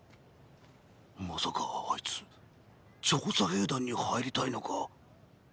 まさかあいつ「調査兵団」に入りたいのか？